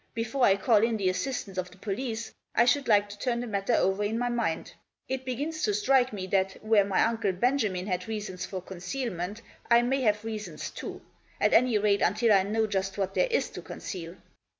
Before I call in the assistance of the police I should like to turn the matter over in my mind. It begins to strike me that where my Uncle Benjamin had reasons for concealment, I may have reasons too, at any rate until I know just what there is to conceal."